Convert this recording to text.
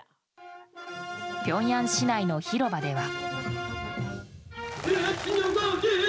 ピョンヤン市内の広場では。